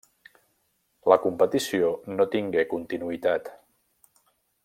La competició no tingué continuïtat.